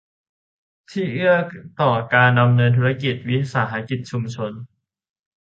ที่เอื้อต่อการดำเนินธุรกิจของวิสาหกิจชุมชน